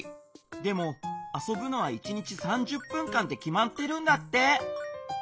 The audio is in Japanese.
でもあそぶのは１日３０分間ってきまってるんだって。